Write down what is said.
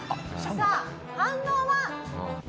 さあ反応は？